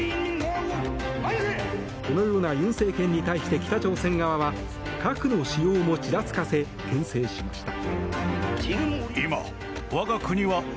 このような尹政権に対して北朝鮮側は核の使用もちらつかせけん制しました。